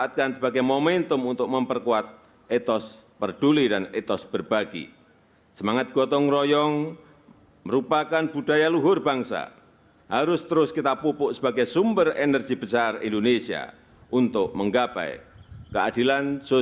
tanda kebesaran buka hormat senjata